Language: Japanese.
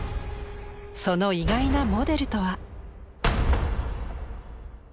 その意外なモデルとは？